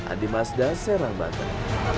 adi mazda serang batak